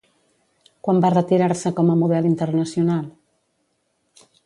Quan va retirar-se com a model internacional?